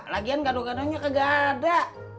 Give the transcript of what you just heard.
lagian gaduh gaduhnya ke gada